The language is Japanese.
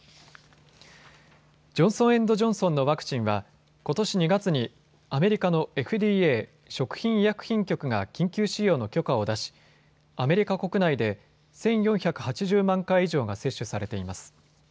ジョンソン・エンド・ジョンソンのワクチンはことし２月にアメリカのＦＤＡ・食品医薬品局が緊急使用の許可を出しアメリカ国内で１４８０万回以上が接種されています。